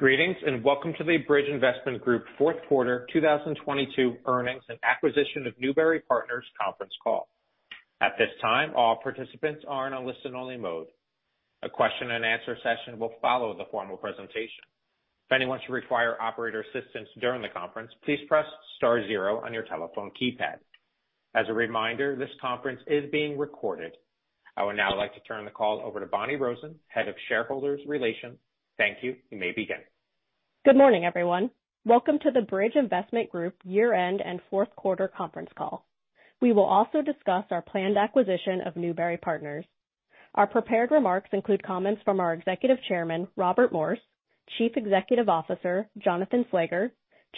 Greetings, welcome to the Bridge Investment Group Q4 2022 earnings and acquisition of Newbury Partners Conference Call. At this time, all participants are in a listen-only mode. A question-and-answer session will follow the formal presentation. If anyone should require operator assistance during the conference, please press star zero on your telephone keypad. As a reminder, this conference is being recorded. I would now like to turn the call over to Bonni Rosen, Head of Shareholder Relations. Thank you. You may begin. Good morning, everyone. Welcome to the Bridge Investment Group year-end and Q4 Conference Call. We will also discuss our planned acquisition of Newbury Partners. Our prepared remarks include comments from our Executive Chairman, Robert Morse, Chief Executive Officer, Jonathan Slager,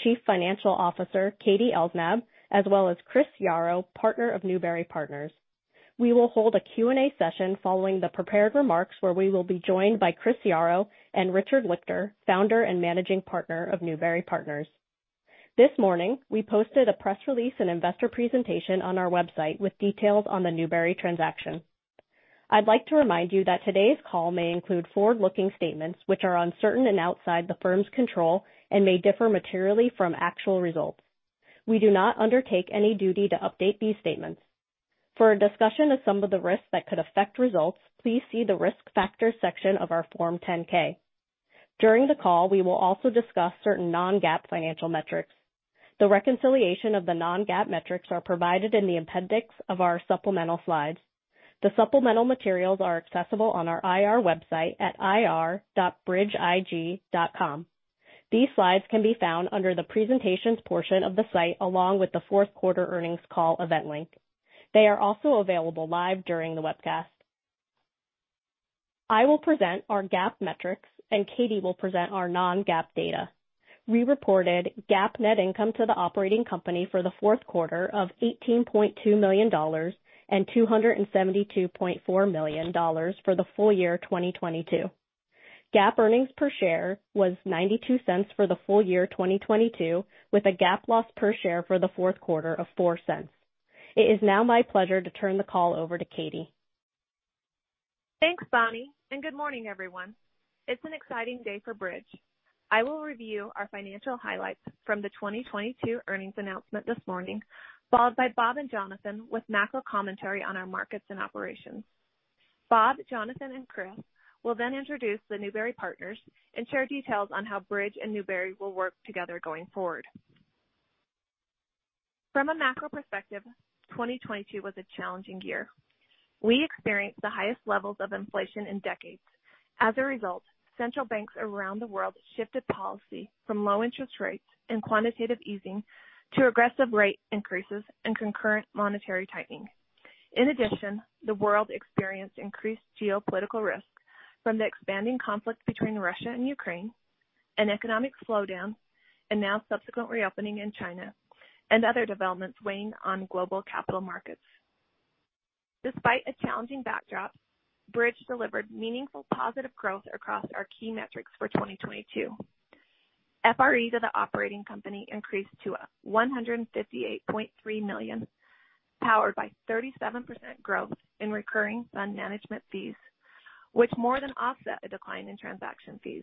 Chief Financial Officer, Katie Elsnab, as well as Chris Jaroch, Partner of Newbury Partners. We will hold a Q&A session following the prepared remarks, where we will be joined by Chris Jaroch and Richard Lichter, Founder and Managing Partner of Newbury Partners. This morning, we posted a press release and investor presentation on our website with details on the Newbury transaction. I'd like to remind you that today's call may include forward-looking statements which are uncertain and outside the firm's control and may differ materially from actual results. We do not undertake any duty to update these statements. For a discussion of some of the risks that could affect results, please see the Risk Factors section of our Form 10-K. During the call, we will also discuss certain non-GAAP financial metrics. The reconciliation of the non-GAAP metrics are provided in the appendix of our supplemental slides. The supplemental materials are accessible on our IR website at ir.bridgeig.com. These slides can be found under the Presentations portion of the site, along with the Q4 earnings call event link. They are also available live during the webcast. I will present our GAAP metrics, and Katie will present our non-GAAP data. We reported GAAP net income to the operating company for the Q4 of $18.2 million, and $272.4 million for the full year 2022. GAAP earnings per share was $0.92 for the full year 2022, with a GAAP loss per share for the Q4 of $0.04. It is now my pleasure to turn the call over to Katie. Thanks, Bonni, good morning, everyone. It's an exciting day for Bridge. I will review our financial highlights from the 2022 earnings announcement this morning, followed by Bob and Jonathan with macro commentary on our markets and operations. Bob, Jonathan, and Chris will then introduce the Newbury Partners and share details on how Bridge and Newbury will work together going forward. From a macro perspective, 2022 was a challenging year. We experienced the highest levels of inflation in decades. As a result, central banks around the world shifted policy from low interest rates and quantitative easing to aggressive rate increases and concurrent monetary tightening. In addition, the world experienced increased geopolitical risk from the expanding conflict between Russia and Ukraine, an economic slowdown, now subsequent reopening in China, other developments weighing on global capital markets. Despite a challenging backdrop, Bridge delivered meaningful positive growth across our key metrics for 2022. FRE to the operating company increased to $158.3 million, powered by 37% growth in recurring fund management fees, which more than offset a decline in transaction fees.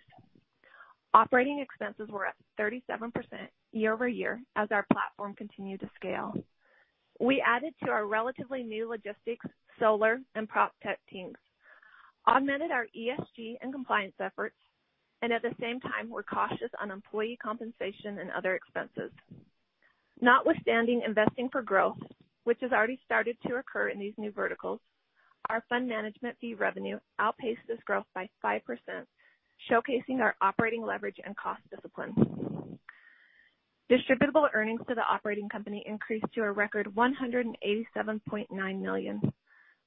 Operating expenses were up 37% year-over-year as our platform continued to scale. We added to our relatively new logistics, solar, and PropTech teams, augmented our ESG and compliance efforts, and at the same time were cautious on employee compensation and other expenses. Notwithstanding investing for growth, which has already started to occur in these new verticals, our fund management fee revenue outpaced this growth by 5%, showcasing our operating leverage and cost discipline. Distributable earnings to the operating company increased to a record $187.9 million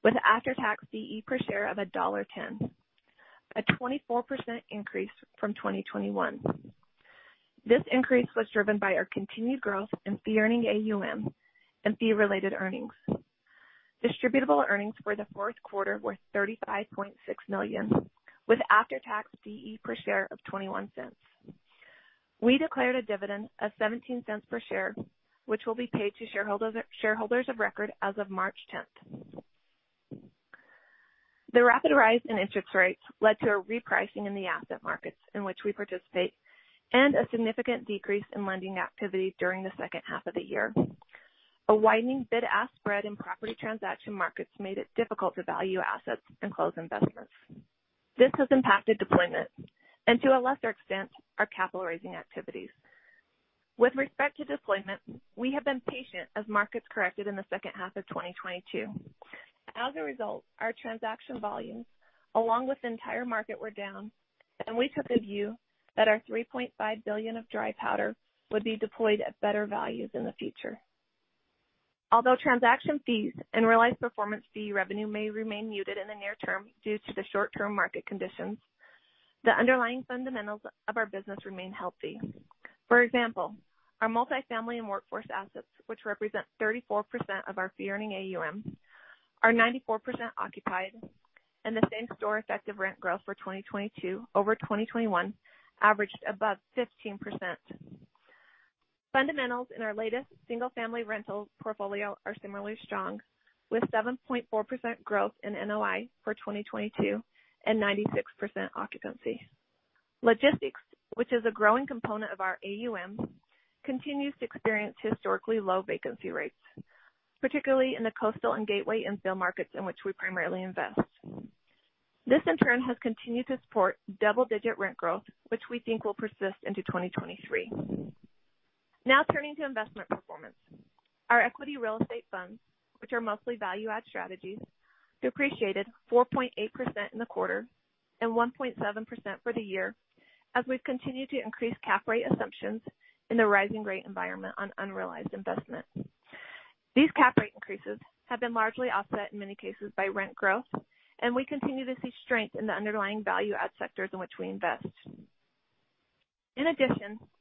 with after-tax DE per share of $1.10, a 24% increase from 2021. This increase was driven by our continued growth in fee-earning AUM and fee-related earnings. Distributable earnings for the Q4 were $35.6 million, with after-tax DE per share of $0.21. We declared a dividend of $0.17 per share, which will be paid to shareholders of record as of March 10th. The rapid rise in interest rates led to a repricing in the asset markets in which we participate and a significant decrease in lending activity during the second half of the year. A widening bid-ask spread in property transaction markets made it difficult to value assets and close investments. This has impacted deployment and to a lesser extent, our capital raising activities. With respect to deployment, we have been patient as markets corrected in the second half of 2022. As a result, our transaction volumes along with the entire market were down. We took a view that our $3.5 billion of dry powder would be deployed at better values in the future. Although transaction fees and realized performance fee revenue may remain muted in the near term due to the short-term market conditions, the underlying fundamentals of our business remain healthy. For example, our multifamily and workforce assets, which represent 34% of our fee-earning AUM, are 94% occupied. The same-store effective rent growth for 2022 over 2021 averaged above 15.0%. Fundamentals in our latest single-family rental portfolio are similarly strong, with 7.4% growth in NOI for 2022. 96% occupancy. Logistics, which is a growing component of our AUM, continues to experience historically low vacancy rates, particularly in the coastal and gateway infill markets in which we primarily invest. This, in turn, has continued to support double-digit rent growth, which we think will persist into 2023. Turning to investment performance. Our equity real estate funds, which are mostly value-add strategies, depreciated 4.8% in the quarter and 1.7% for the year as we've continued to increase cap rate assumptions in the rising rate environment on unrealized investment. These cap rate increases have been largely offset in many cases by rent growth, and we continue to see strength in the underlying value-add sectors in which we invest.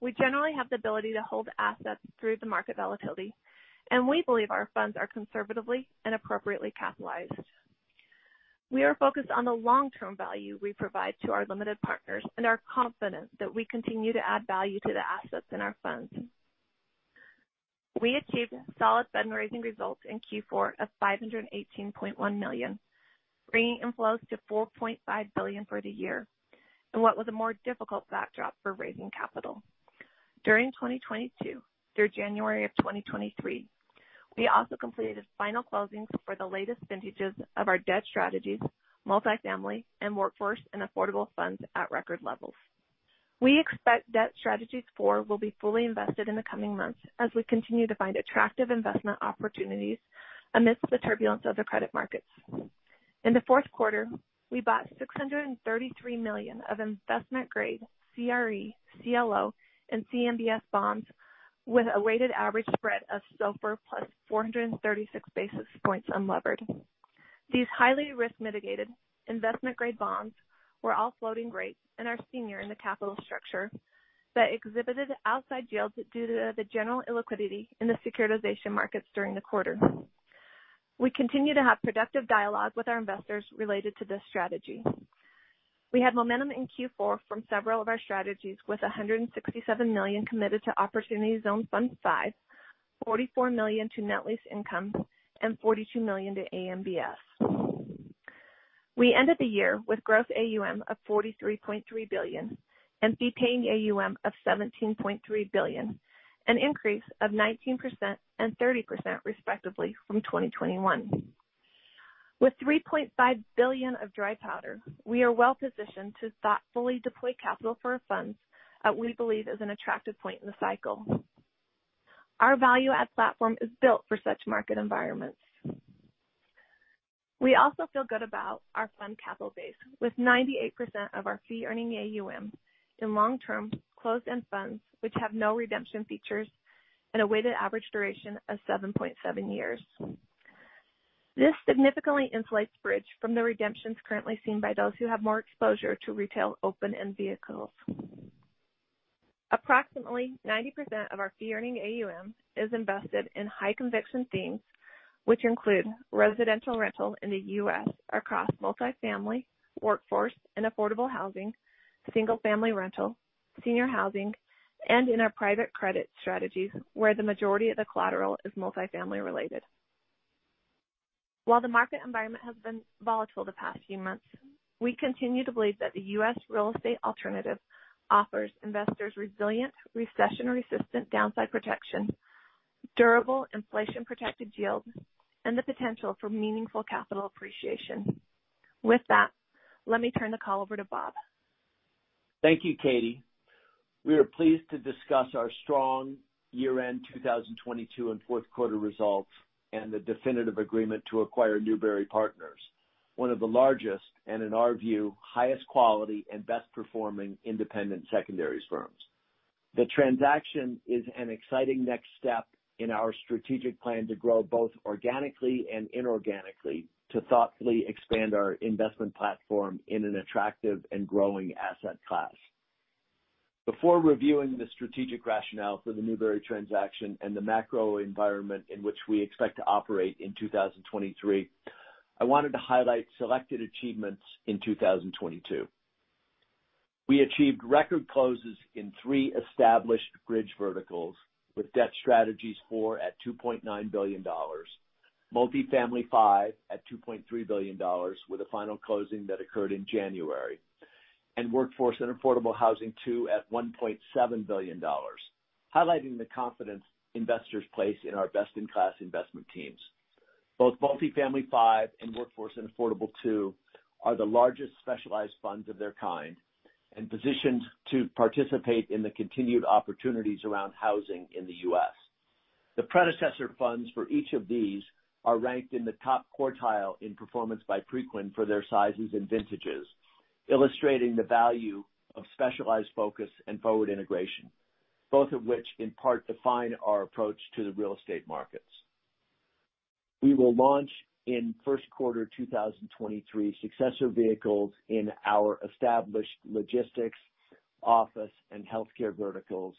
We generally have the ability to hold assets through the market volatility, and we believe our funds are conservatively and appropriately capitalized. We are focused on the long-term value we provide to our limited partners and are confident that we continue to add value to the assets in our funds. We achieved solid fundraising results in Q4 of $518.1 million, bringing inflows to $4.5 billion for the year in what was a more difficult backdrop for raising capital. During 2022 through January of 2023, we also completed final closings for the latest vintages of our Debt Strategies, Multifamily, and Workforce and Affordable funds at record levels. We expect Debt Strategies IV will be fully invested in the coming months as we continue to find attractive investment opportunities amidst the turbulence of the credit markets. In the Q4, we bought $633 million of investment-grade CRE, CLO, and CMBS bonds with a weighted average spread of SOFR plus 436 basis points unlevered. These highly risk-mitigated investment-grade bonds were all floating rates and are senior in the capital structure that exhibited outside yields due to the general illiquidity in the securitization markets during the quarter. We continue to have productive dialogue with our investors related to this strategy. We had momentum in Q4 from several of our strategies, with $167 million committed to Opportunity Zone Fund V, $44 million to Net Lease Income, and $42 million to AMBS. We ended the year with gross AUM of $43.3 billion and fee-paying AUM of $17.3 billion, an increase of 19% and 30% respectively from 2021. With $3.5 billion of dry powder, we are well positioned to thoughtfully deploy capital for our funds at we believe is an attractive point in the cycle. Our value-add platform is built for such market environments. We also feel good about our fund capital base with 98% of our fee-earning AUM in long-term closed-end funds which have no redemption features and a weighted average duration of 7.7 years. This significantly insulates Bridge from the redemptions currently seen by those who have more exposure to retail open-end vehicles. Approximately 90% of our fee-earning AUM is invested in high conviction themes which include residential rental in the US across multifamily, workforce and affordable housing, single-family rental, senior housing, and in our private credit strategies where the majority of the collateral is multifamily related. While the market environment has been volatile the past few months, we continue to believe that the US real estate alternative offers investors resilient recession-resistant downside protection, durable inflation-protected yields, and the potential for meaningful capital appreciation. With that, let me turn the call over to Bob. Thank you, Katie. We are pleased to discuss our strong year-end 2022 and Q4 results and the definitive agreement to acquire Newbury Partners, one of the largest and in our view, highest quality and best performing independent secondaries firms. The transaction is an exciting next step in our strategic plan to grow both organically and inorganically to thoughtfully expand our investment platform in an attractive and growing asset class. Before reviewing the strategic rationale for the Newbury transaction and the macro environment in which we expect to operate in 2023, I wanted to highlight selected achievements in 2022. We achieved record closes in three established Bridge verticals with Debt Strategies IV at $2.9 billion, Multifamily V at $2.3 billion with a final closing that occurred in January, and Workforce and Affordable Housing II at $1.7 billion, highlighting the confidence investors place in our best-in-class investment teams. Both Multifamily V and Workforce and Affordable Housing II are the largest specialized funds of their kind and positioned to participate in the continued opportunities around housing in the US The predecessor funds for each of these are ranked in the top quartile in performance by Preqin for their sizes and vintages, illustrating the value of specialized focus and forward integration, both of which in part define our approach to the real estate markets. We will launch in Q1 2023 successor vehicles in our established logistics, office, and healthcare verticals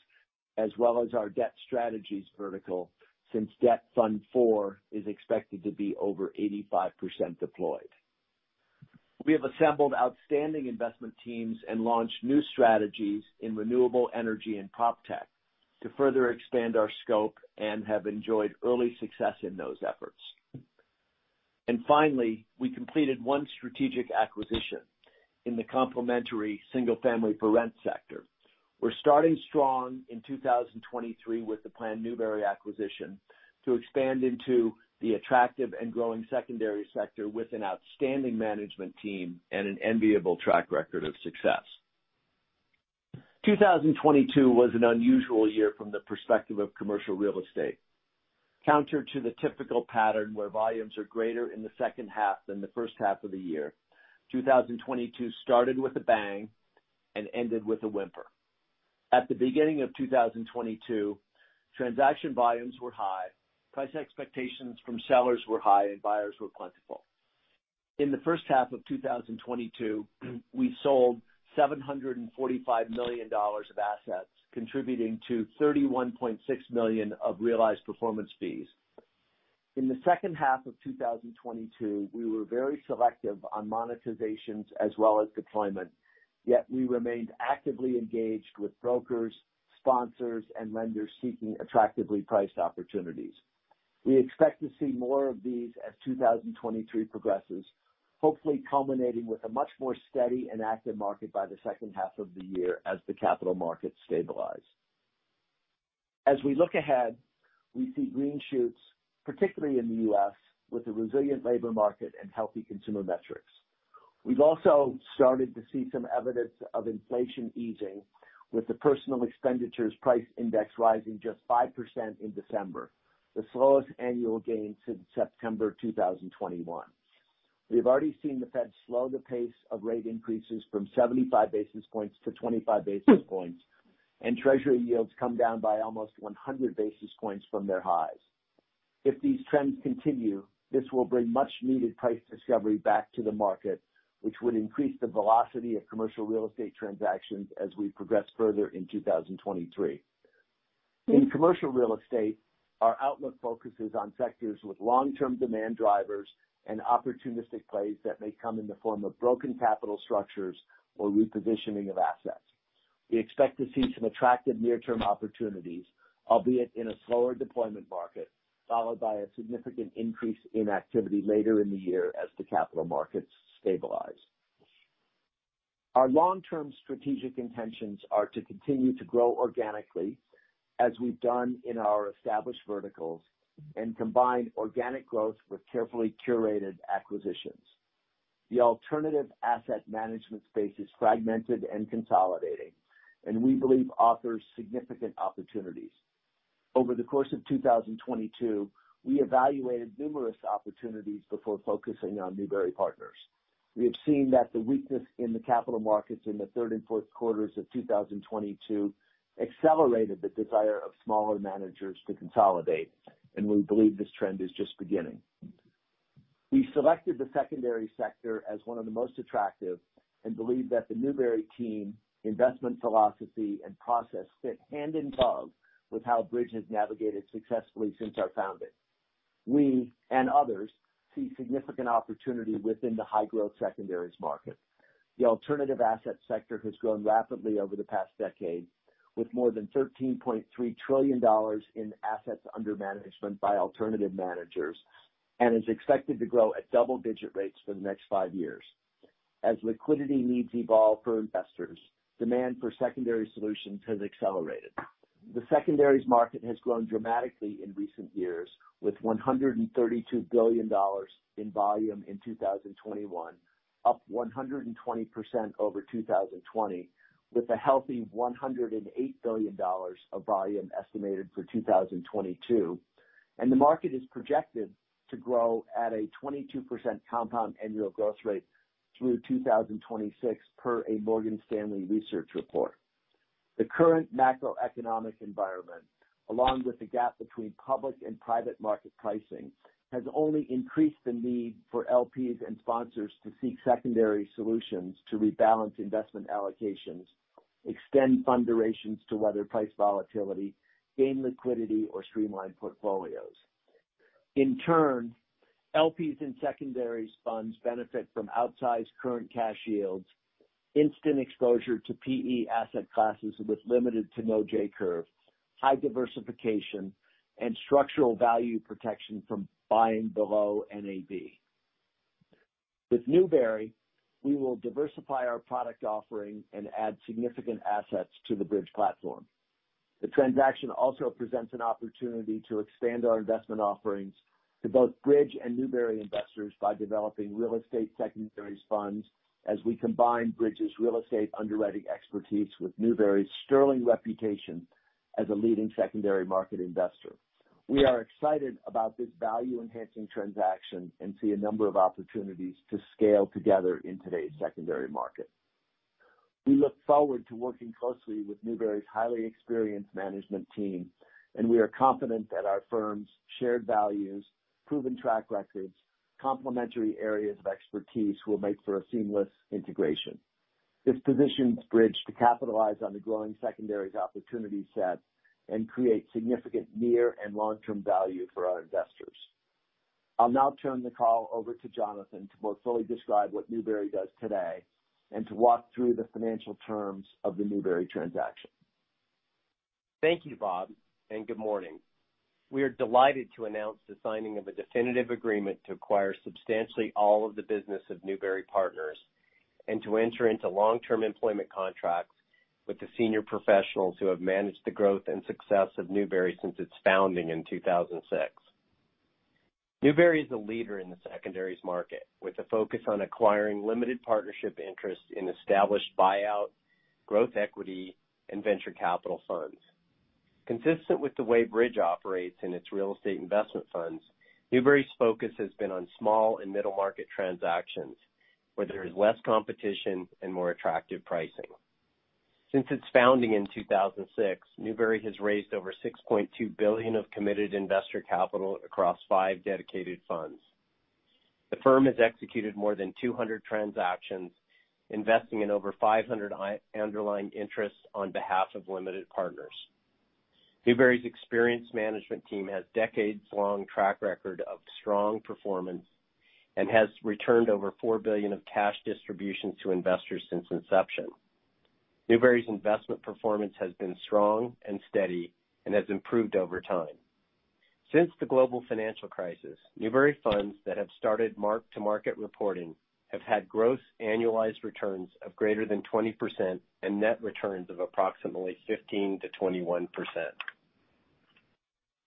as well as our debt strategies vertical since Debt Fund IV is expected to be over 85% deployed. We have assembled outstanding investment teams and launched new strategies in renewable energy and PropTech to further expand our scope and have enjoyed early success in those efforts. Finally, we completed one strategic acquisition in the complementary single-family for rent sector. We're starting strong in 2023 with the planned Newbury acquisition to expand into the attractive and growing secondary sector with an outstanding management team and an enviable track record of success. 2022 was an unusual year from the perspective of commercial real estate. Counter to the typical pattern where volumes are greater in the second half than the first half of the year, 2022 started with a bang and ended with a whimper. At the beginning of 2022, transaction volumes were high, price expectations from sellers were high, and buyers were plentiful. In the first half of 2022, we sold $745 million of assets, contributing to $31.6 million of realized performance fees. In the second half of 2022, we were very selective on monetizations as well as deployment, yet we remained actively engaged with brokers, sponsors, and lenders seeking attractively priced opportunities. We expect to see more of these as 2023 progresses, hopefully culminating with a much more steady and active market by the second half of the year as the capital markets stabilize. As we look ahead, we see green shoots, particularly in the US, with a resilient labor market and healthy consumer metrics. We've also started to see some evidence of inflation easing with the personal expenditures price index rising just 5% in December, the slowest annual gain since September 2021. We've already seen the Fed slow the pace of rate increases from 75 basis points to 25 basis points, and Treasury yields come down by almost 100 basis points from their highs. If these trends continue, this will bring much-needed price discovery back to the market, which would increase the velocity of commercial real estate transactions as we progress further in 2023. In commercial real estate, our outlook focuses on sectors with long-term demand drivers and opportunistic plays that may come in the form of broken capital structures or repositioning of assets. We expect to see some attractive near-term opportunities, albeit in a slower deployment market, followed by a significant increase in activity later in the year as the capital markets stabilize. Our long-term strategic intentions are to continue to grow organically as we've done in our established verticals and combine organic growth with carefully curated acquisitions. The alternative asset management space is fragmented and consolidating, and we believe offers significant opportunities. Over the course of 2022, we evaluated numerous opportunities before focusing on Newbury Partners. We have seen that the weakness in the capital markets in the third and the Q4 2022 accelerated the desire of smaller managers to consolidate, and we believe this trend is just beginning. We selected the secondary sector as one of the most attractive and believe that the Newbury team investment philosophy and process fit hand in glove with how Bridge has navigated successfully since our founding. We and others see significant opportunity within the high-growth secondaries market. The alternative asset sector has grown rapidly over the past decade, with more than $13.3 trillion in assets under management by alternative managers and is expected to grow at double-digit rates for the next five years. As liquidity needs evolve for investors, demand for secondary solutions has accelerated. The secondaries market has grown dramatically in recent years, with $132 billion in volume in 2021, up 120% over 2020, with a healthy $108 billion of volume estimated for 2022. The market is projected to grow at a 22% compound annual growth rate through 2026 per a Morgan Stanley research report. The current macroeconomic environment, along with the gap between public and private market pricing, has only increased the need for LPs and sponsors to seek secondary solutions to rebalance investment allocations, extend fund durations to weather price volatility, gain liquidity, or streamline portfolios. In turn, LPs and secondaries funds benefit from outsized current cash yields, instant exposure to PE asset classes with limited to no J-curve, high diversification, and structural value protection from buying below NAV. With Newbury, we will diversify our product offering and add significant assets to the Bridge platform. The transaction also presents an opportunity to expand our investment offerings to both Bridge and Newbury investors by developing real estate secondaries funds as we combine Bridge's real estate underwriting expertise with Newbury's sterling reputation as a leading secondary market investor. We are excited about this value-enhancing transaction and see a number of opportunities to scale together in today's secondary market. We look forward to working closely with Newbury's highly experienced management team. We are confident that our firms' shared values, proven track records, complementary areas of expertise will make for a seamless integration. This positions Bridge to capitalize on the growing secondaries opportunity set and create significant near and long-term value for our investors. I'll now turn the call over to Jonathan to more fully describe what Newbury does today and to walk through the financial terms of the Newbury transaction. Thank you, Bob. Good morning. We are delighted to announce the signing of a definitive agreement to acquire substantially all of the business of Newbury Partners and to enter into long-term employment contracts with the senior professionals who have managed the growth and success of Newbury since its founding in 2006. Newbury is a leader in the secondaries market, with a focus on acquiring limited partnership interests in established buyout, growth equity, and venture capital funds. Consistent with the way Bridge operates in its real estate investment funds, Newbury's focus has been on small and middle-market transactions where there is less competition and more attractive pricing. Since its founding in 2006, Newbury has raised over $6.2 billion of committed investor capital across five dedicated funds. The firm has executed more than 200 transactions, investing in over 500 underlying interests on behalf of limited partners. Newbury's experienced management team has decades-long track record of strong performance and has returned over $4 billion of cash distributions to investors since inception. Newbury's investment performance has been strong and steady and has improved over time. Since the global financial crisis, Newbury funds that have started mark-to-market reporting have had gross annualized returns of greater than 20% and net returns of approximately 15.0% to 21.0%.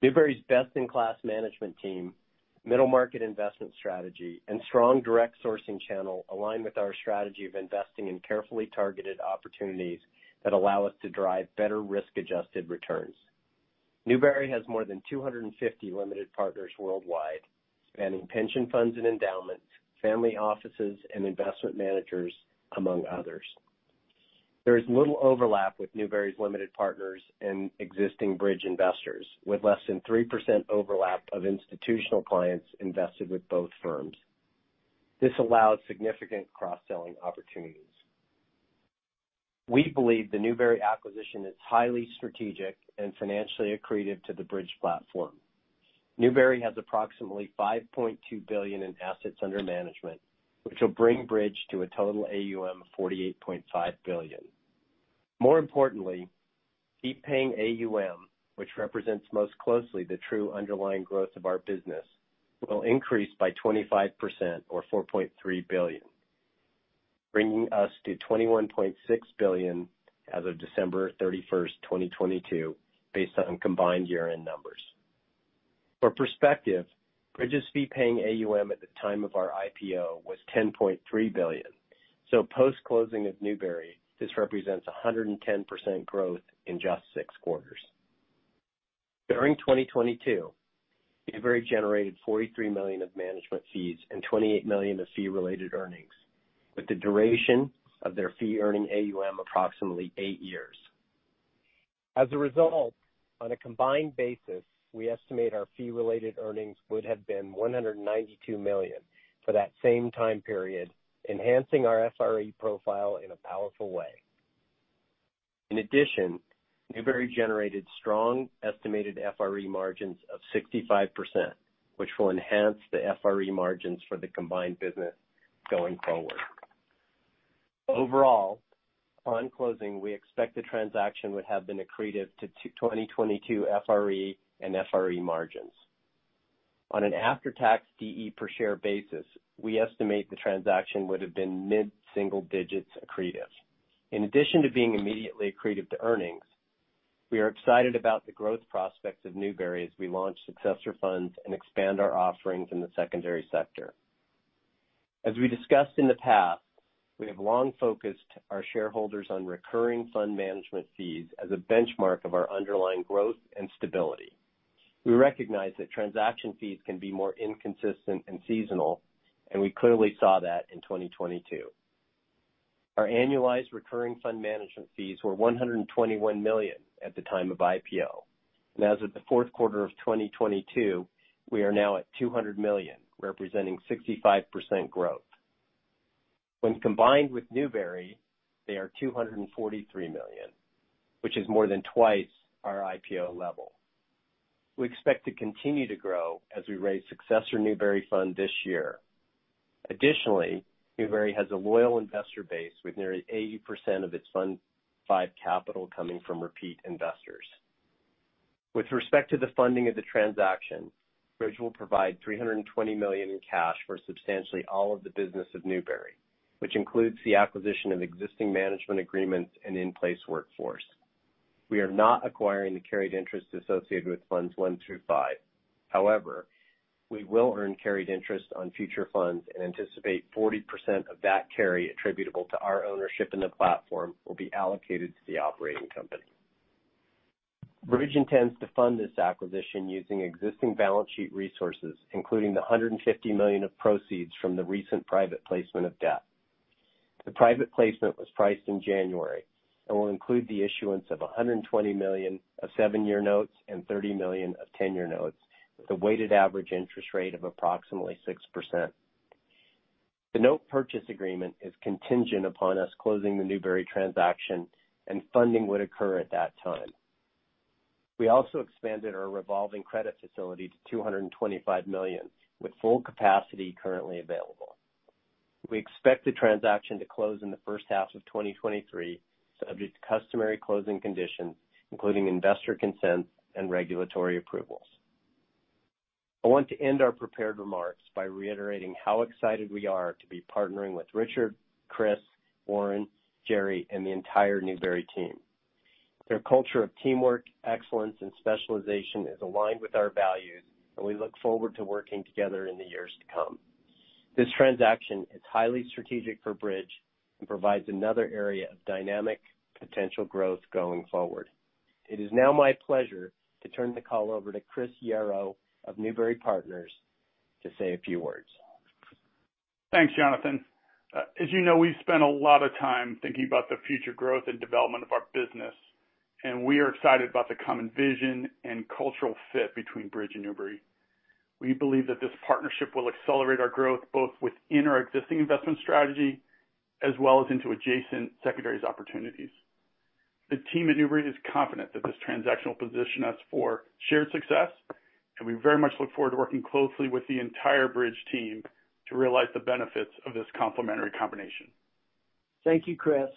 Newbury's best-in-class management team, middle-market investment strategy, and strong direct sourcing channel align with our strategy of investing in carefully targeted opportunities that allow us to drive better risk-adjusted returns. Newbury has more than 250 limited partners worldwide, spanning pension funds and endowments, family offices, and investment managers, among others. There is little overlap with Newbury's limited partners and existing Bridge investors. With less than 3% overlap of institutional clients invested with both firms. This allows significant cross-selling opportunities. We believe the Newbury acquisition is highly strategic and financially accretive to the Bridge platform. Newbury has approximately $5.2 billion in assets under management, which will bring Bridge to a total AUM of $48.5 billion. More importantly, fee-paying AUM, which represents most closely the true underlying growth of our business, will increase by 25% or $4.3 billion, bringing us to $21.6 billion as of December 31st, 2022, based on combined year-end numbers. For perspective, Bridge's fee-paying AUM at the time of our IPO was $10.3 billion. Post-closing of Newbury, this represents 110% growth in just six quarters. During 2022, Newbury generated $43 million of management fees and $28 million of fee-related earnings, with the duration of their fee-earning AUM approximately 8 years. As a result, on a combined basis, we estimate our fee-related earnings would have been $192 million for that same time period, enhancing our FRE profile in a powerful way. In addition, Newbury generated strong estimated FRE margins of 65%, which will enhance the FRE margins for the combined business going forward. Overall, on closing, we expect the transaction would have been accretive to 2022 FRE and FRE margins. On an after-tax DE per share basis, we estimate the transaction would have been mid-single digits accretive. In addition to being immediately accretive to earnings, we are excited about the growth prospects of Newbury as we launch successor funds and expand our offerings in the secondary sector. As we discussed in the past, we have long focused our shareholders on recurring fund management fees as a benchmark of our underlying growth and stability. We recognize that transaction fees can be more inconsistent and seasonal. We clearly saw that in 2022. Our annualized recurring fund management fees were $121 million at the time of IPO. As of Q4 2022, we are now at $200 million, representing 65% growth. When combined with Newbury, they are $243 million, which is more than twice our IPO level. We expect to continue to grow as we raise successor Newbury Fund this year. Additionally, Newbury has a loyal investor base with nearly 80% of its Fund V capital coming from repeat investors. With respect to the funding of the transaction, Bridge will provide $320 million in cash for substantially all of the business of Newbury, which includes the acquisition of existing management agreements and in-place workforce. We are not acquiring the carried interest associated with funds 1 through 5. We will earn carried interest on future funds and anticipate 40% of that carry attributable to our ownership in the platform will be allocated to the operating company. Bridge intends to fund this acquisition using existing balance sheet resources, including the $150 million of proceeds from the recent private placement of debt. The private placement was priced in January. It will include the issuance of $120 million of 7-year notes and $30 million of 10-year notes, with a weighted average interest rate of approximately 6%. The note purchase agreement is contingent upon us closing the Newbury transaction and funding would occur at that time. We also expanded our revolving credit facility to $225 million, with full capacity currently available. We expect the transaction to close in the first half of 2023, subject to customary closing conditions, including investor consents and regulatory approvals. I want to end our prepared remarks by reiterating how excited we are to be partnering with Richard, Chris, Warren, Jerry, and the entire Newbury team. Their culture of teamwork, excellence, and specialization is aligned with our values, and we look forward to working together in the years to come. This transaction is highly strategic for Bridge and provides another area of dynamic potential growth going forward. It is now my pleasure to turn the call over to Chris Jaroch of Newbury Partners to say a few words. Thanks, Jonathan. As you know, we've spent a lot of time thinking about the future growth and development of our business. We are excited about the common vision and cultural fit between Bridge and Newbury. We believe that this partnership will accelerate our growth, both within our existing investment strategy as well as into adjacent secondaries opportunities. The team at Newbury is confident that this transaction will position us for shared success. We very much look forward to working closely with the entire Bridge team to realize the benefits of this complementary combination. Thank you, Chris.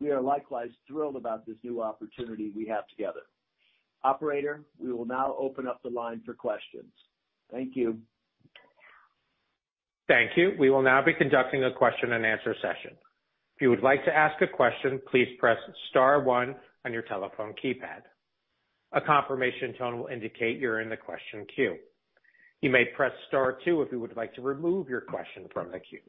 We are likewise thrilled about this new opportunity we have together. Operator, we will now open up the line for questions. Thank you. Thank you. We will now be conducting a question-and-answer session. If you would like to ask a question, please press star one on your telephone keypad. A confirmation tone will indicate you're in the question queue. You may press star two if you would like to remove your question from the queue.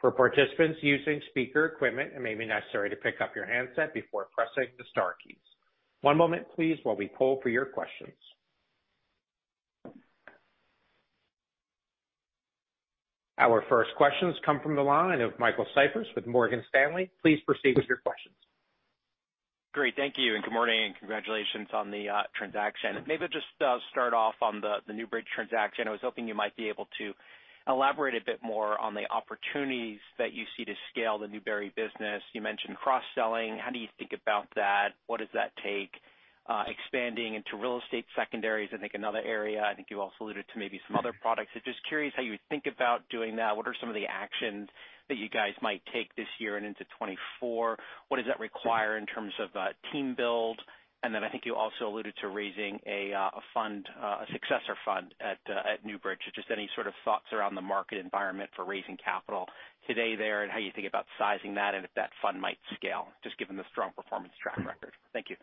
For participants using speaker equipment, it may be necessary to pick up your handset before pressing the star keys. One moment, please, while we poll for your questions. Our first questions come from the line of Michael Cyprys with Morgan Stanley. Please proceed with your questions. Great. Thank you, good morning, and congratulations on the transaction. Maybe I'll just start off on the Newbury transaction. I was hoping you might be able to elaborate a bit more on the opportunities that you see to scale the Newbury business. You mentioned cross-selling. How do you think about that? What does that take? Expanding into real estate secondaries, I think another area. I think you all alluded to maybe some other products. Just curious how you think about doing that. What are some of the actions that you guys might take this year and into 2024? What does that require in terms of team build? I think you also alluded to raising a fund, a successor fund at Newbury. Just any thoughts around the market environment for raising capital today there, and how you think about sizing that and if that fund might scale, just given the strong performance track record. Thank you.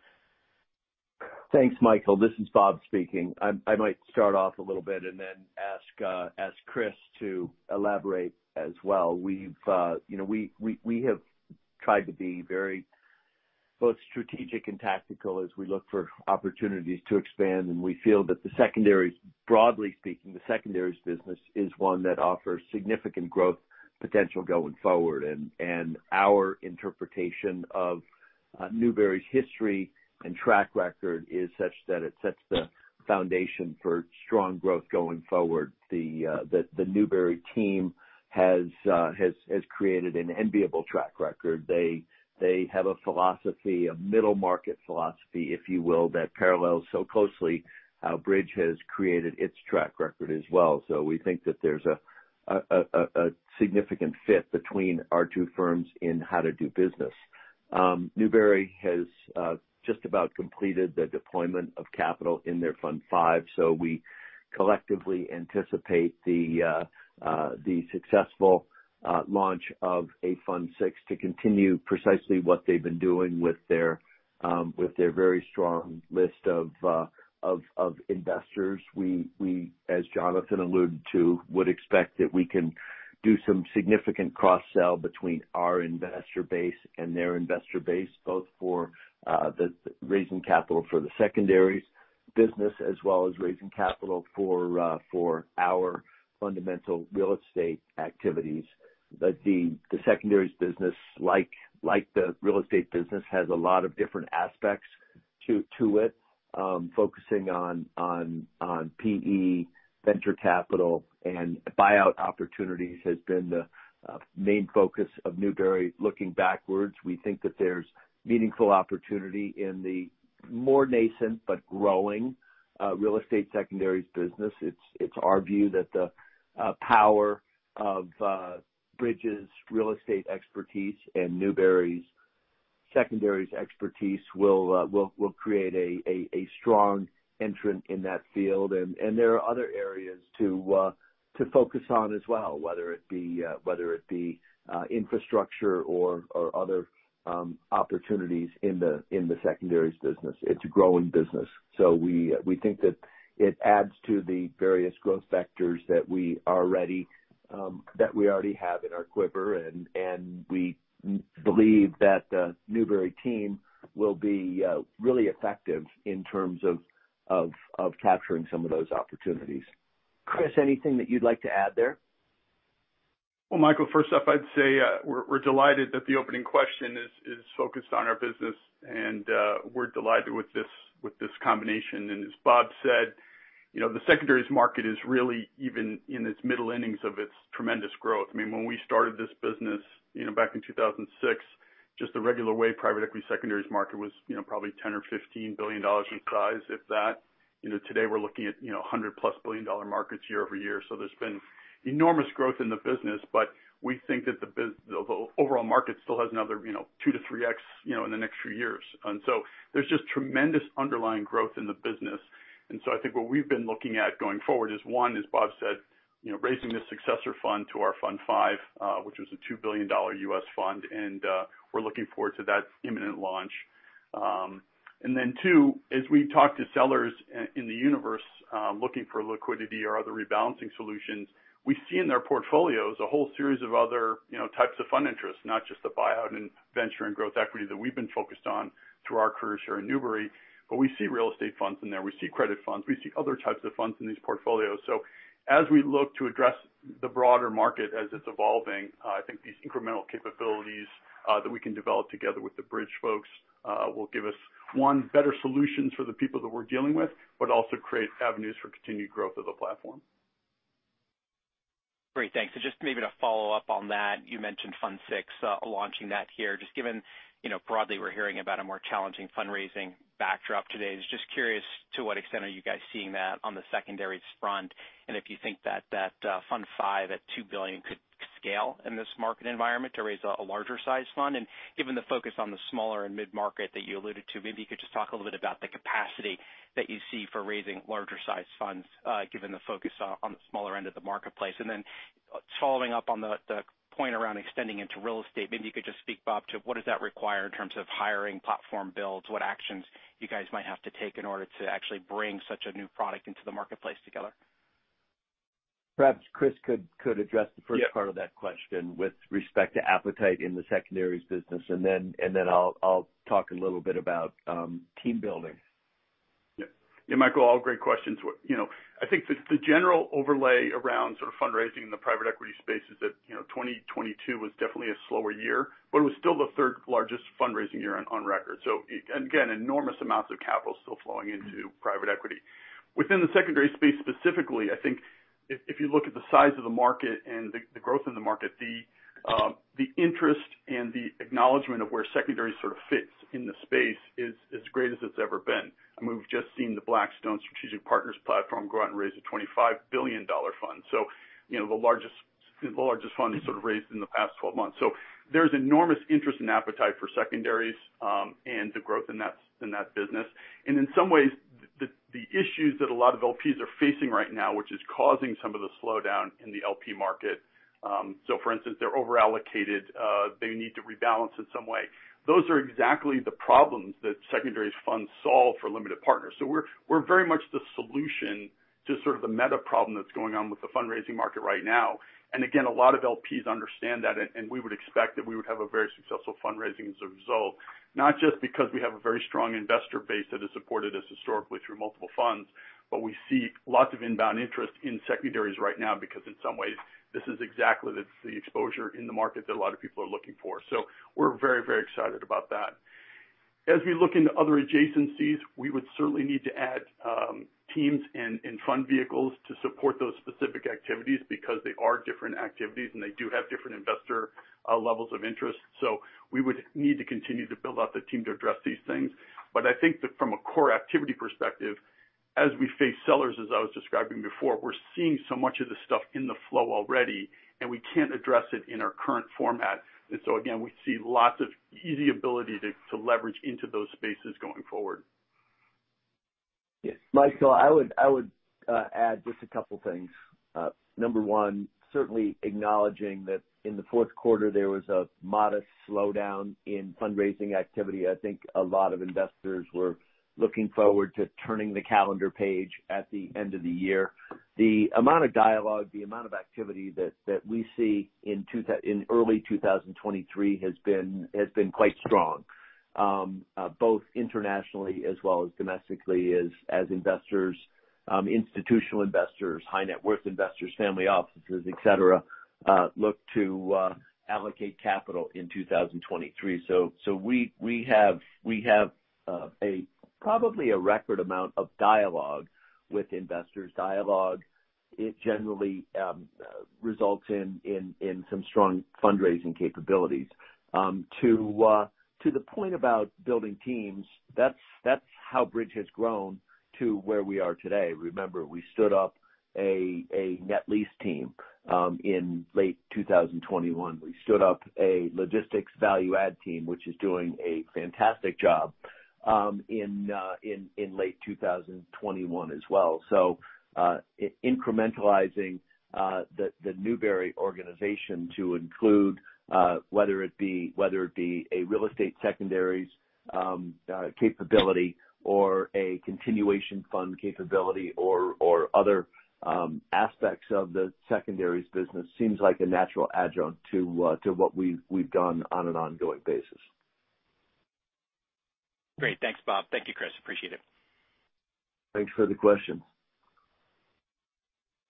Thanks, Michael. This is Bob speaking. I might start off a little bit and then ask Chris to elaborate as well. We've, we have tried to be very both strategic and tactical as we look for opportunities to expand, and we feel that the secondaries, broadly speaking, the secondaries business is one that offers significant growth potential going forward. Our interpretation of Newbury's history and track record is such that it sets the foundation for strong growth going forward. The Newbury team has created an enviable track record. They have a philosophy, a middle market philosophy, if you will, that parallels so closely how Bridge has created its track record as well. We think that there's a significant fit between our two firms in how to do business. Newbury has just about completed the deployment of capital in their Fund V, so we collectively anticipate the successful launch of a Fund VI to continue precisely what they've been doing with their very strong list of investors. We, as Jonathan alluded to, would expect that we can do some significant cross-sell between our investor base and their investor base, both for the raising capital for the secondaries business as well as raising capital for our fundamental real estate activities. The secondaries business, like the real estate business, has a lot of different aspects to it. Focusing on PE, venture capital, and buyout opportunities has been the main focus of Newbury looking backwards. We think that there's meaningful opportunity in the more nascent but growing real estate secondaries business. It's our view that the power of Bridge's real estate expertise and Newbury's secondaries expertise will create a strong entrant in that field. There are other areas to focus on as well, whether it be infrastructure or other opportunities in the secondaries business. It's a growing business. We think that it adds to the various growth vectors that we already have in our quiver. We believe that the Newbury team will be really effective in terms of capturing some of those opportunities. Chris, anything that you'd like to add there? Well, Michael, first up, I'd say, we're delighted that the opening question is focused on our business and we're delighted with this combination. As Bob said, you know, the secondaries market is really even in its middle innings of its tremendous growth. I mean, when we started this business, you know, back in 2006, just the regular way, private equity secondaries market was, you know, probably $10 to $15 billion in size, if that. You know, today we're looking at, you know, $100+ billion markets year-over-year. There's been enormous growth in the business, but we think that the overall market still has another, you know, 2-3x, you know, in the next few years. There's just tremendous underlying growth in the business. I think what we've been looking at going forward is, one, as Bob said, you know, raising this successor fund to our Fund V, which was a $2 billion US fund, and we're looking forward to that imminent launch. Then two, as we talk to sellers in the universe, looking for liquidity or other rebalancing solutions, we see in their portfolios a whole series of other, you know, types of fund interests, not just the buyout and venture and growth equity that we've been focused on through our careers here in Newbury. We see real estate funds in there. We see credit funds. We see other types of funds in these portfolios. As we look to address the broader market as it's evolving, I think these incremental capabilities that we can develop together with the Bridge folks, will give us, one, better solutions for the people that we're dealing with, but also create avenues for continued growth of the platform. Great. Thanks. Just maybe to follow up on that, you mentioned Fund VI, launching that here. Given, you know, broadly, we're hearing about a more challenging fundraising backdrop today, just curious to what extent are you guys seeing that on the secondaries front, and if you think that Fund V at $2 billion could scale in this market environment to raise a larger-sized fund? Given the focus on the smaller and mid-market that you alluded to, maybe you could just talk a little bit about the capacity that you see for raising larger-sized funds, given the focus on the smaller end of the marketplace? Following up on the point around extending into real estate, maybe you could just speak, Bob, to what does that require in terms of hiring, platform builds, what actions you guys might have to take in order to actually bring such a new product into the marketplace together? Perhaps Chris could address the first part of that question with respect to appetite in the secondaries business, and then I'll talk a little bit about team building. Yeah, Michael, all great questions. You know, I think the general overlay around fundraising in the private equity space is that, you know, 2022 was definitely a slower year, but it was still the third-largest fundraising year on record. And again, enormous amounts of capital still flowing into private equity. Within the secondary space specifically, I think if you look at the size of the market and the growth in the market, the interest and the acknowledgement of where secondary fits in the space is as great as it's ever been. I mean, we've just seen the Blackstone Strategic Partners platform go out and raise a $25 billion fund. You know, the largest fund raised in the past 12 months. There's enormous interest and appetite for secondaries, and the growth in that business. In some ways, the issues that a lot of LPs are facing right now, which is causing some of the slowdown in the LP market, for instance, they're over-allocated, they need to rebalance in some way. Those are exactly the problems that secondaries funds solve for limited partners. We're very much the solution to the meta problem that's going on with the fundraising market right now. Again, a lot of LPs understand that, and we would expect that we would have a very successful fundraising as a result, not just because we have a very strong investor base that has supported us historically through multiple funds, but we see lots of inbound interest in secondaries right now because in some ways, this is exactly the exposure in the market that a lot of people are looking for. We're very, very excited about that. As we look into other adjacencies, we would certainly need to add teams and fund vehicles to support those specific activities because they are different activities and they do have different investor levels of interest. We would need to continue to build out the team to address these things. I think that from a core activity perspective, as we face sellers, as I was describing before, we're seeing so much of the stuff in the flow already, and we can't address it in our current format. Again, we see lots of easy ability to leverage into those spaces going forward. Yes. Michael, I would add just a couple things. Number one, certainly acknowledging that in the Q4, there was a modest slowdown in fundraising activity. I think a lot of investors were looking forward to turning the calendar page at the end of the year. The amount of dialogue, the amount of activity that we see in early 2023 has been quite strong, both internationally as well as domestically as investors, institutional investors, high net worth investors, family offices, et cetera, look to allocate capital in 2023. We have probably a record amount of dialogue with investors. Dialogue, it generally results in some strong fundraising capabilities. To the point about building teams, that's how Bridge has grown to where we are today. Remember, we stood up a net lease team in late 2021. We stood up a logistics value-add team, which is doing a fantastic job, in late 2021 as well. Incrementalizing the Newbury organization to include whether it be a real estate secondaries capability or a continuation fund capability or other aspects of the secondaries business seems like a natural adjunct to what we've done on an ongoing basis. Great. Thanks, Bob. Thank you, Chris. Appreciate it. Thanks for the question.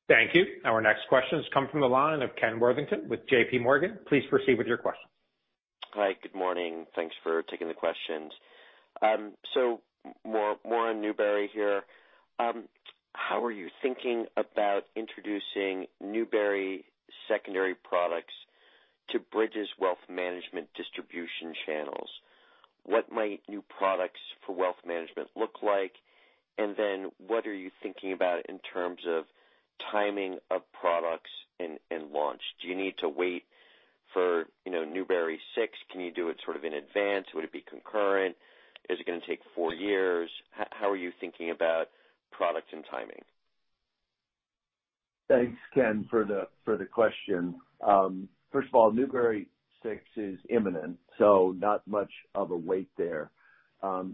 Thank you. Our next question has come from the line of Ken Worthington with JPMorgan. Please proceed with your question. Hi, good morning. Thanks for taking the questions. more on Newbury here. How are you thinking about introducing Newbury secondary products to Bridge's wealth management distribution channels? What might new products for wealth management look like? What are you thinking about in terms of timing of products and launch? Do you need to wait for, you know, Newbury Six? Can you do it in advance? Would it be concurrent? Is it gonna take four years? How are you thinking about product and timing? Thanks, Ken, for the question. First of all, Newbury Six is imminent, so not much of a wait there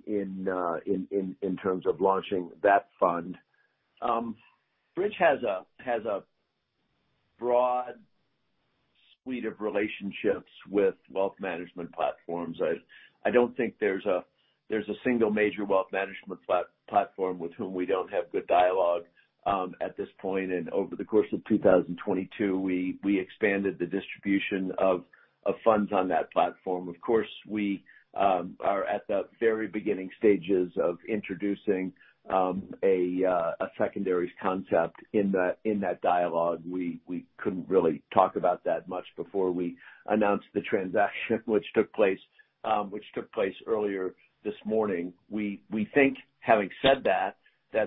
in terms of launching that fund. Bridge has a broad suite of relationships with wealth management platforms. I don't think there's a single major wealth management platform with whom we don't have good dialogue at this point. Over the course of 2022, we expanded the distribution of funds on that platform. Of course, we are at the very beginning stages of introducing a secondaries concept in that dialogue. We couldn't really talk about that much before we announced the transaction which took place earlier this morning. We think, having said that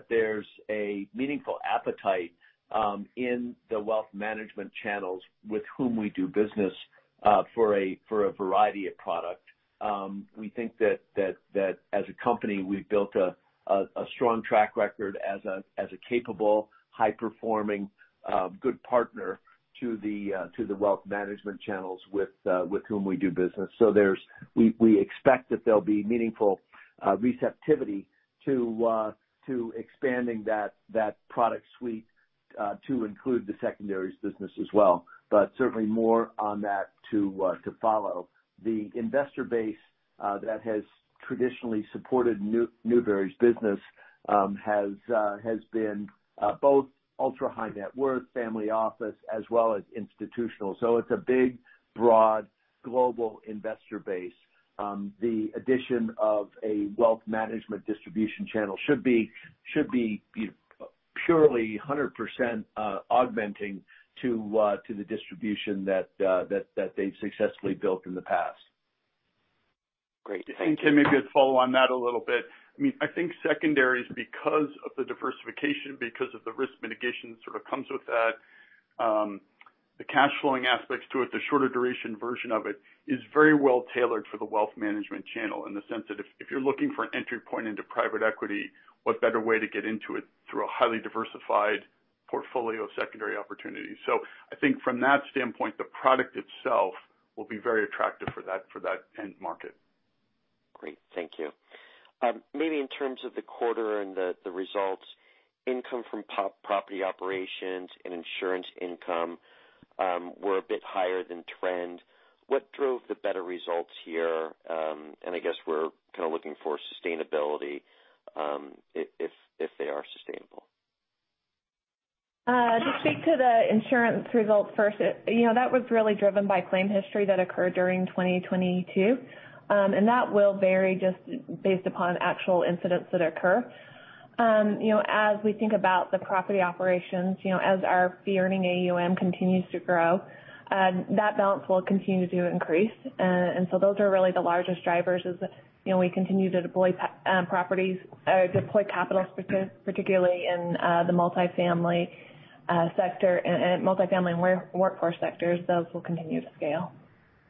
there's a meaningful appetite in the wealth management channels with whom we do business for a variety of product. We think that as a company, we've built a strong track record as a capable, high-performing, good partner to the wealth management channels with whom we do business. We expect that there'll be meaningful receptivity to expanding that product suite to include the secondaries business as well, but certainly more on that to follow. The investor base that has traditionally supported Newbury's business has been both ultra-high net worth family office as well as institutional. It's a big, broad global investor base. The addition of a wealth management distribution channel should be, you know, purely 100%, augmenting to the distribution that they've successfully built in the past. Great. Thank you. Ken, maybe to follow on that a little bit. I mean, I think secondaries, because of the diversification, because of the risk mitigation comes with that, the cash flowing aspects to it, the shorter duration version of it is very well tailored for the wealth management channel in the sense that if you're looking for an entry point into private equity, what better way to get into it through a highly diversified portfolio of secondary opportunities? I think from that standpoint, the product itself will be very attractive for that, for that end market. Great. Thank you. Maybe in terms of the quarter and the results, income from property operations and insurance income were a bit higher than trend. What drove the better results here? I guess we're kind of looking for sustainability, if they are sustainable. To speak to the insurance results first, you know, that was really driven by claim history that occurred during 2022, and that will vary just based upon actual incidents that occur. You know, as we think about the property operations, you know, as our fee-earning AUM continues to grow, that balance will continue to increase. Those are really the largest drivers is, you know, we continue to deploy properties or deploy capital, particularly in the multifamily sector and multifamily and workforce sectors. Those will continue to scale.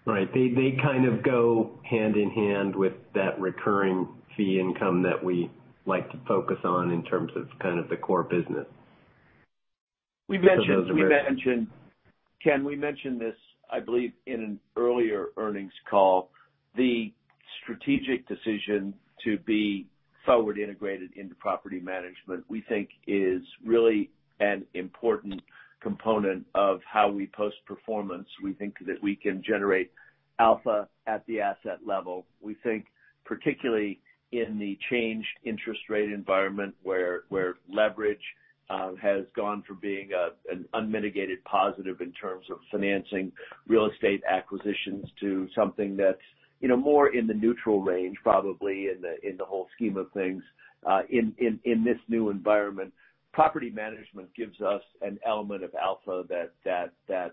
Right. They kind of go hand in hand with that recurring fee income that we like to focus on in terms of the core business. We mentioned, Ken, we mentioned this, I believe, in an earlier earnings call. The strategic decision to be forward integrated into property management, we think is really an important component of how we post performance. We think that we can generate alpha at the asset level. We think particularly in the changed interest rate environment where leverage has gone from being an unmitigated positive in terms of financing real estate acquisitions to something that's, you know, more in the neutral range, probably in the whole scheme of things. In this new environment, property management gives us an element of alpha that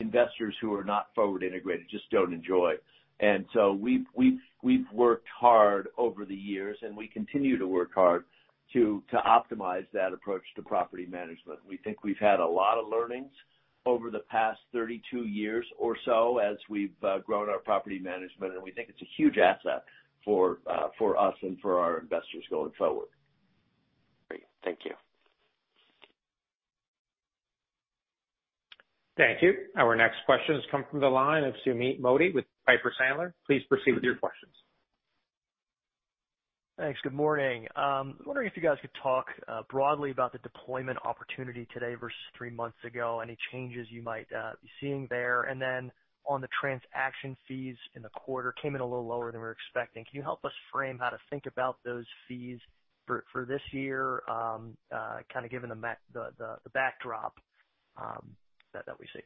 investors who are not forward integrated just don't enjoy. We've worked hard over the years, and we continue to work hard to optimize that approach to property management. We think we've had a lot of learnings over the past 32 years or so as we've grown our property management. We think it's a huge asset for us and for our investors going forward. Great. Thank you. Thank you. Our next question has come from the line of Sumeet Mody with Piper Sandler. Please proceed with your questions. Thanks. Good morning. Wondering if you guys could talk broadly about the deployment opportunity today versus three months ago, any changes you might be seeing there. On the transaction fees in the quarter, came in a little lower than we were expecting. Can you help us frame how to think about those fees for this year kinda given the backdrop that we see?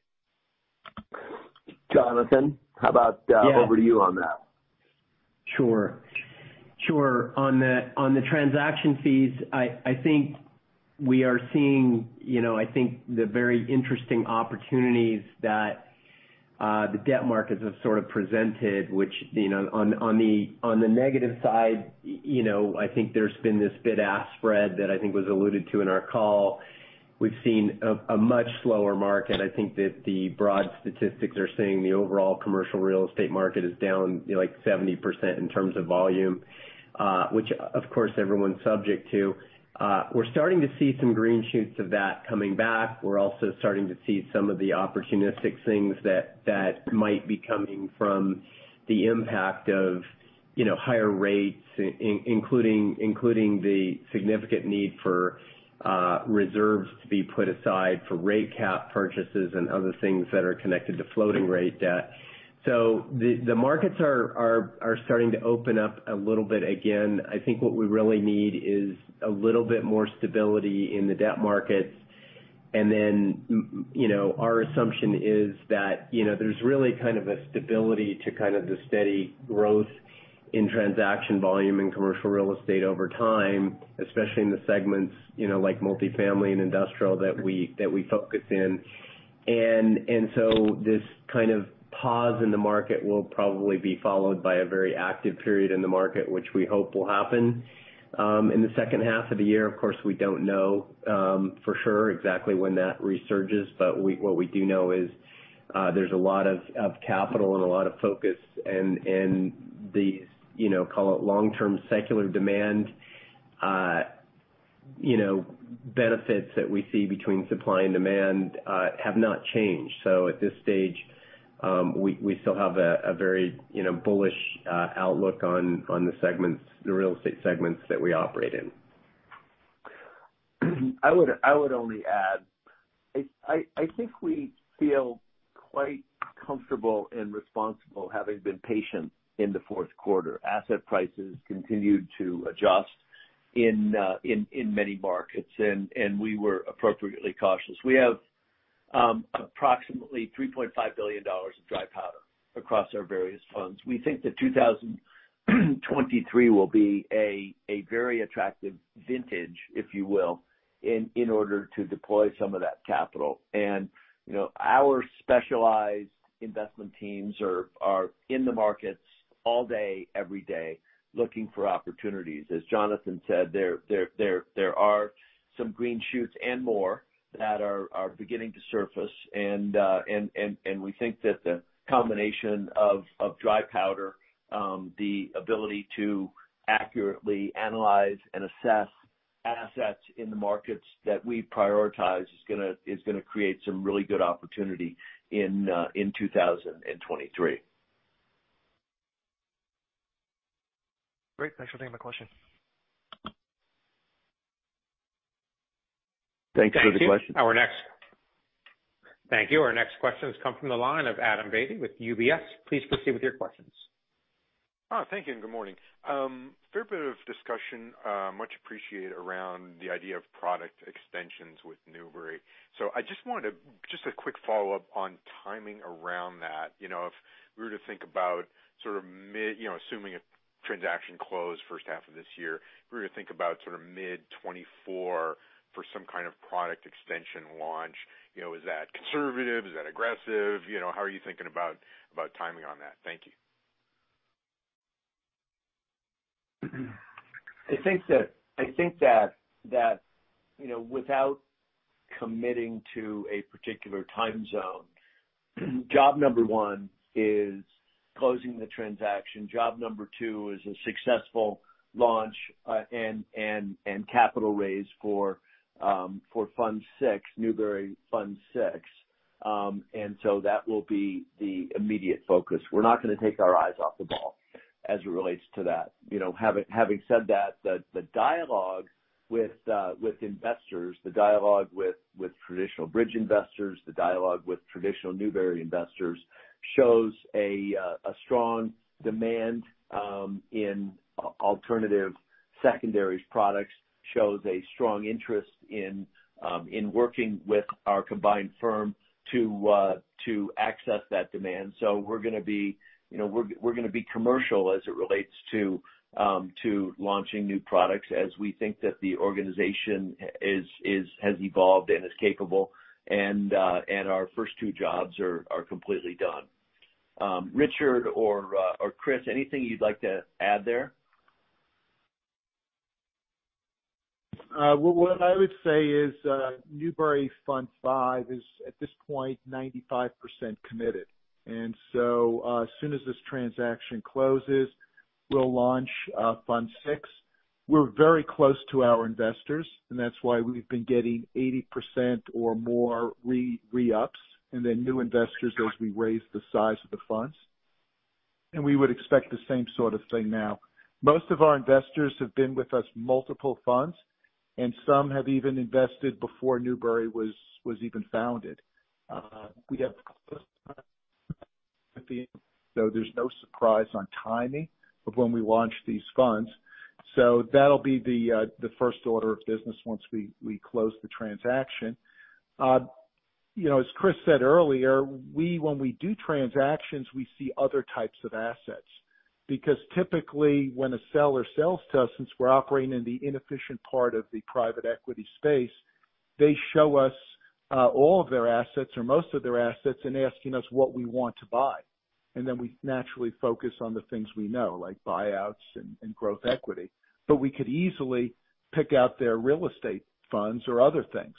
Jonathan, how about- Yeah. Over to you on that. Sure. Sure. On the transaction fees, I think we are seeing, you know, I think the very interesting opportunities that the debt markets have presented, which, you know, on the negative side, you know, I think there's been this bid-ask spread that I think was alluded to in our call. We've seen a much slower market. I think that the broad statistics are saying the overall commercial real estate market is down, you know, like 70% in terms of volume, which of course, everyone's subject to. We're starting to see some green shoots of that coming back. We're also starting to see some of the opportunistic things that might be coming from the impact of, you know, higher rates, including the significant need for reserves to be put aside for rate cap purchases and other things that are connected to floating rate debt. The markets are starting to open up a little bit again. I think what we really need is a little bit more stability in the debt markets. You know, our assumption is that, you know, there's really kind of a stability to kind of the steady growth in transaction volume in commercial real estate over time, especially in the segments, you know, like multifamily and industrial that we focus in. This kind of pause in the market will probably be followed by a very active period in the market, which we hope will happen in the second half of the year. Of course, we don't know for sure exactly when that resurges, but what we do know is, there's a lot of capital and a lot of focus and these, you know, call it long-term secular demand, you know, benefits that we see between supply and demand have not changed. At this stage, we still have a very, you know, bullish outlook on the segments, the real estate segments that we operate in. I would only add, I think we feel quite comfortable and responsible having been patient in the Q4. Asset prices continued to adjust in many markets, and we were appropriately cautious. We have approximately $3.5 billion of dry powder across our various funds. We think that 2023 will be a very attractive vintage, if you will, in order to deploy some of that capital. You know, our specialized investment teams are in the markets all day, every day, looking for opportunities. As Jonathan said, there are some green shoots and more that are beginning to surface. We think that the combination of dry powder, the ability to accurately analyze and assess assets in the markets that we prioritize is gonna create some really good opportunity in 2023. Great. Thanks for taking my question. Thanks for the question. Thank you. Our next question has come from the line of Adam Beatty with UBS. Please proceed with your questions. Thank you, good morning. Fair bit of discussion, much appreciated around the idea of product extensions with Newbury. I just wanted a quick follow-up on timing around that. You know, if we were to think about sort of, you know, assuming a transaction closed first half of this year, if we were to think about mid-2024 for some kind of product extension launch, you know, is that conservative? Is that aggressive? You know, how are you thinking about timing on that? Thank you. I think that, you know, without committing to a particular time zone, job number one is closing the transaction. Job number two is a successful launch, and capital raise for Fund six, Newbury Fund six. That will be the immediate focus. We're not gonna take our eyes off the ball as it relates to that. You know, having said that, the dialogue with investors, the dialogue with traditional Bridge investors, the dialogue with traditional Newbury investors shows a strong demand, in alternative secondaries products, shows a strong interest in working with our combined firm to access that demand. We're gonna be... you know, we're gonna be commercial as it relates to launching new products as we think that the organization is, has evolved and is capable, and our first two jobs are completely done. Richard or, Chris, anything you'd like to add there? What I would say is Newbury Fund 5 is, at this point, 95% committed. As soon as this transaction closes, we'll launch, Fund 6. We're very close to our investors, that's why we've been getting 80% or more re-ups and then new investors as we raise the size of the funds. We would expect the same thing now. Most of our investors have been with us multiple funds, some have even invested before Newbury was even founded. We have close there's no surprise on timing of when we launch these funds. That'll be the first order of business once we close the transaction. You know, as Chris said earlier, when we do transactions, we see other types of assets because typically when a seller sells to us, since we're operating in the inefficient part of the private equity space, they show us all of their assets or most of their assets and asking us what we want to buy. Then we naturally focus on the things we know, like buyouts and growth equity. We could easily pick out their real estate funds or other things.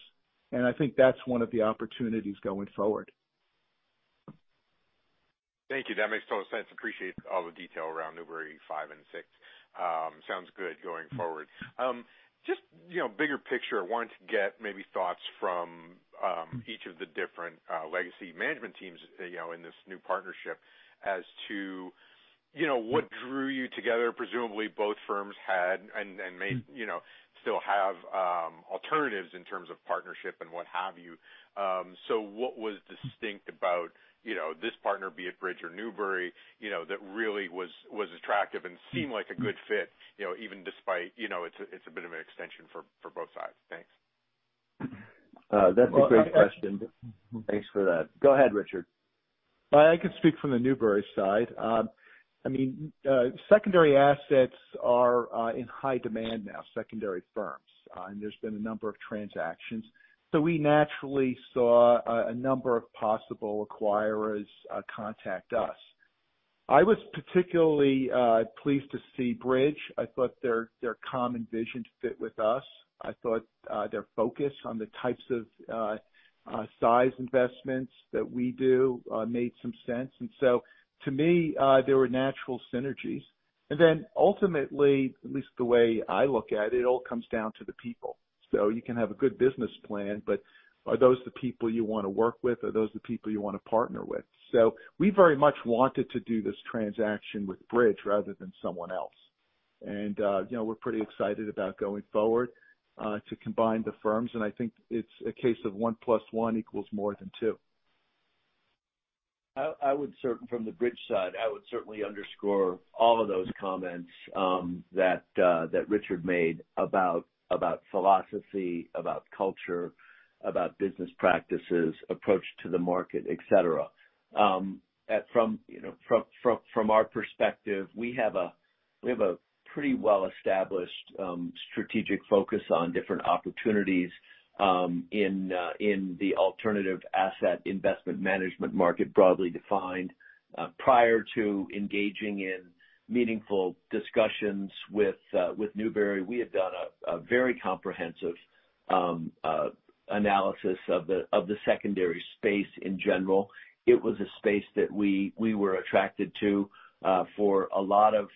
I think that's one of the opportunities going forward. Thank you. That makes total sense. Appreciate all the detail around Newbury 5 and 6. Sounds good going forward. Just, you know, bigger picture, wanted to get maybe thoughts from each of the different legacy management teams in this new partnership as to what drew you together. Presumably, both firms had and may you know still have alternatives in terms of partnership and what have you. What was distinct about, you know, this partner, be it Bridge or Newbury, that really was attractive and seemed like a good fit, even despite it's a bit of an extension for both sides. Thanks. That's a great question. Thanks for that. Go ahead, Richard. I can speak from the Newbury side. I mean, secondary assets are in high demand now, secondary firms. There's been a number of transactions. We naturally saw a number of possible acquirers contact us. I was particularly pleased to see Bridge. I thought their common vision to fit with us. I thought their focus on the types of size investments that we do made some sense. To me, there were natural synergies. Ultimately, at least the way I look at it all comes down to the people. You can have a good business plan, but are those the people you wanna work with? Are those the people you wanna partner with? We very much wanted to do this transaction with Bridge rather than someone else. You know, we're pretty excited about going forward, to combine the firms. I think it's a case of one plus one equals more than two. I would certainly underscore all of those comments that Richard made about philosophy, about culture, about business practices, approach to the market, et cetera. From, you know, from our perspective, we have a pretty well-established strategic focus on different opportunities in the alternative asset investment management market, broadly defined. Prior to engaging in meaningful discussions with Newbury, we had done a very comprehensive analysis of the secondary space in general. It was a space that we were attracted to for a lot of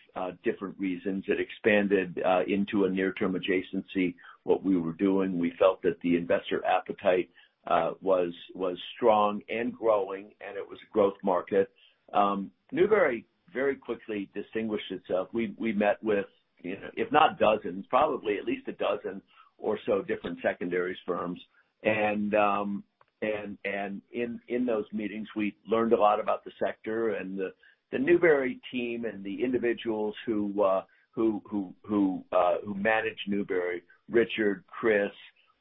different reasons. It expanded into a near-term adjacency what we were doing. We felt that the investor appetite was strong and growing, and it was a growth market. Newbury very quickly distinguished itself. We met with, you know, if not dozens, probably at least a dozen or so different secondaries firms. In those meetings, we learned a lot about the sector and the Newbury team and the individuals who manage Newbury, Richard, Chris,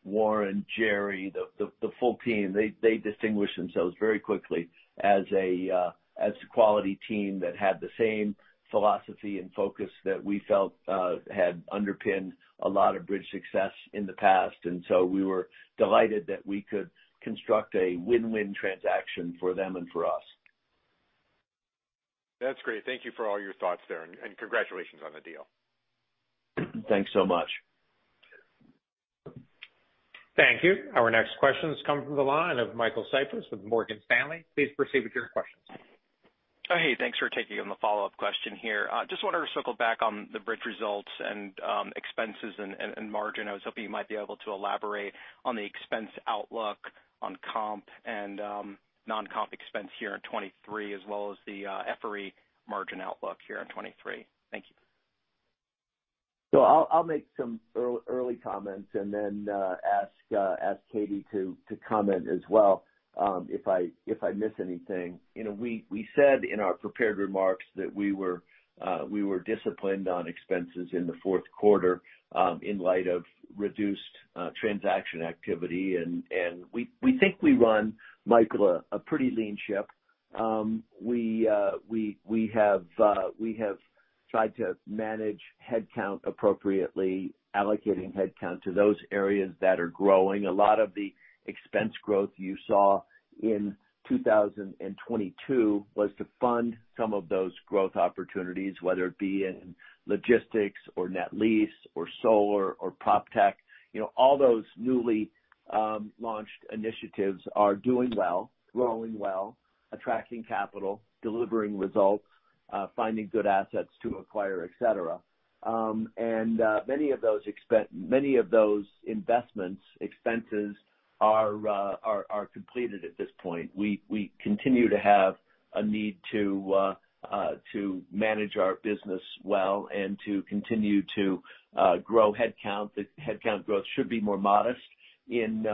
Warren, Jerry, the full team. They distinguish themselves very quickly as a quality team that had the same philosophy and focus that we felt had underpinned a lot of Bridge success in the past. We were delighted that we could construct a win-win transaction for them and for us. That's great. Thank you for all your thoughts there, and congratulations on the deal. Thanks so much. Thank you. Our next question comes from the line of Michael Cyprys with Morgan Stanley. Please proceed with your questions. Hey, thanks for taking the follow-up question here. Just wanted to circle back on the Bridge results and expenses and margin. I was hoping you might be able to elaborate on the expense outlook on comp and non-comp expense here in 23, as well as the FRE margin outlook here in 23. Thank you. I'll make some early comments and then ask Katie to comment as well if I miss anything. You know, we said in our prepared remarks that we were disciplined on expenses in the Q4 in light of reduced transaction activity. We think we run, Michael, a pretty lean ship. We have tried to manage headcount appropriately, allocating headcount to those areas that are growing. A lot of the expense growth you saw in 2022 was to fund some of those growth opportunities, whether it be in logistics or net lease or solar or PropTech. You know, all those newly launched initiatives are doing well, growing well, attracting capital, delivering results. Finding good assets to acquire, et cetera. Many of those investments, expenses are completed at this point. We continue to have a need to manage our business well and to continue to grow headcount. The headcount growth should be more modest in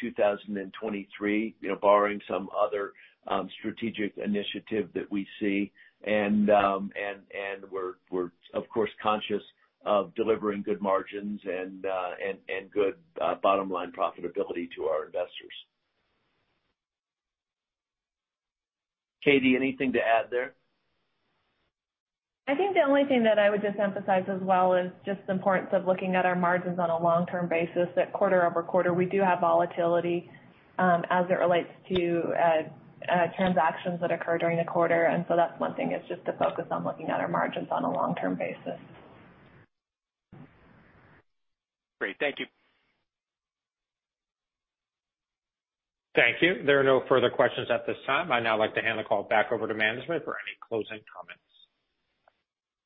2023, you know, barring some other strategic initiative that we see. We're of course conscious of delivering good margins and good bottom-line profitability to our investors. Katie, anything to add there? I think the only thing that I would just emphasize as well is just the importance of looking at our margins on a long-term basis. Quarter-over-quarter, we do have volatility, as it relates to transactions that occur during the quarter. That's one thing is just to focus on looking at our margins on a long-term basis. Great. Thank you. Thank you. There are no further questions at this time. I'd now like to hand the call back over to management for any closing comments.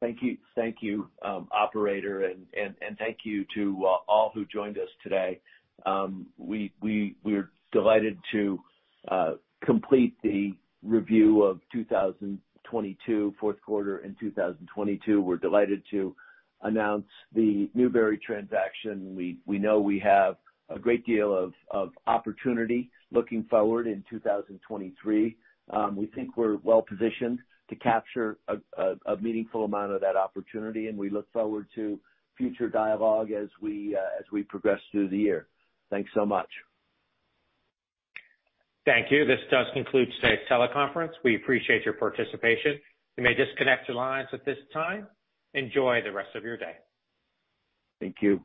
Thank you. Thank you, operator, and thank you to all who joined us today. We're delighted to complete the review of 2022, the Q4 in 2022. We're delighted to announce the Newbury transaction. We know we have a great deal of opportunity looking forward in 2023. We think we're well-positioned to capture a meaningful amount of that opportunity, and we look forward to future dialogue as we progress through the year. Thanks so much. Thank you. This does conclude today's teleconference. We appreciate your participation. You may disconnect your lines at this time. Enjoy the rest of your day. Thank you.